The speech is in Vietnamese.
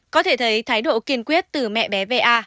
có thể thấy thái độ kiên quyết từ mẹ bé va